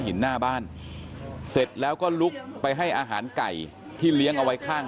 หน้าบ้านเสร็จแล้วก็ลุกไปให้อาหารไก่ที่เลี้ยงเอาไว้ข้าง